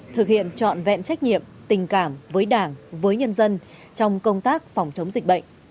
thực hiện trọn vẹn trách nhiệm tình cảm với đảng với nhân dân trong công tác phòng chống dịch bệnh